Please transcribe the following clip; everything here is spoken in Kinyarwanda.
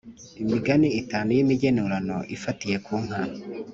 imigani itanu y’imigenurano ifatiye ku nka.